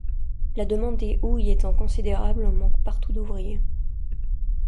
La demande des houilles étant considérable, on manque partout d'ouvriers.